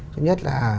thứ nhất là